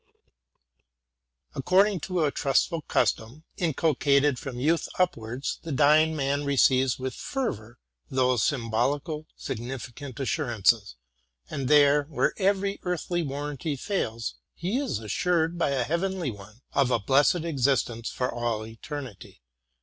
According to a trustful custom, inculeated frovi youth upwards, the dyi ing man receives with fervor those symbolical, significant assurances; and there, where every earthly warranty fails, he is assured, by a heay enly one, of a blessed existence for all eternity.